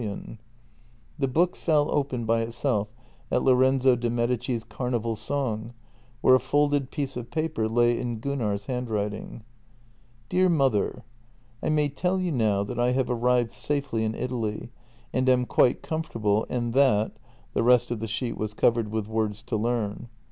JENNY 254 The book fell open by itself at Lorenzo di Medici's carnival song, where a folded piece of paper lay in Gunnar's hand writing :" Dear Mother, — I may tell you now that I have arrived safely in Italy and am quite comfortable, and that "— the rest of the sheet was covered with words to learn.